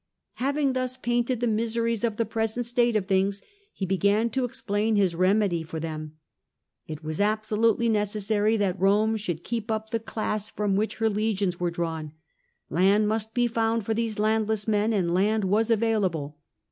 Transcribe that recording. Having thus painted the miseries of the present state of things, he began to explain his remedy for them. It was absolutely necessary that Rome should keep up the class from which her legions were drawn : land must be found for these landless men, and land was available.